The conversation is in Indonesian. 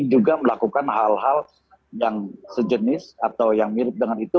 juga melakukan hal hal yang sejenis atau yang mirip dengan itu